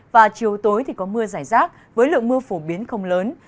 và chiều tối thì có mưa giải rác với lượng mưa phổ biến không lớn